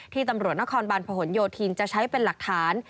ตำรวจนครบันผนโยธินจะใช้เป็นหลักฐาน